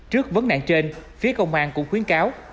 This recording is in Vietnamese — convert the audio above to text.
trước vấn nạn trên phía công an cũng khuyến cáo